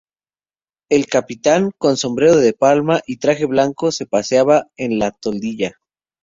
el capitán, con sombrero de palma y traje blanco, se paseaba en la toldilla: